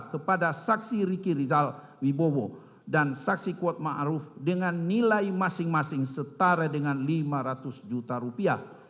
kepada saksi ricky rizal wibowo dan saksi kuatma aruf dengan nilai masing masing setara dengan lima ratus juta rupiah